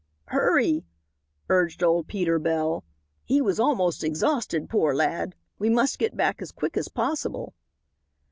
"Hurry," urged old Peter Bell; "he was almost exhausted, poor lad. We must get back as quick as possible."